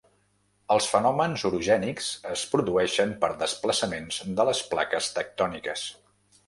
Els fenòmens orogènics es produeixen per desplaçaments de les plaques tectòniques.